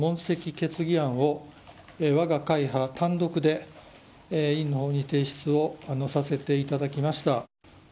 問責決議案をわが会派単独で院のほうに提出をさせていただきました。